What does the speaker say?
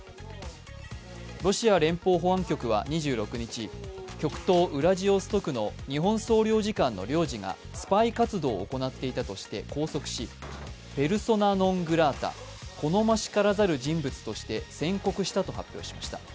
ロシア連邦保安局は２６日極東ウラジオストクの日本総領事館の領事がスパイ活動を行っていたとして拘束し、ペルソナ・ノン・グラータ＝好ましからざる人物として宣告したと発表しました。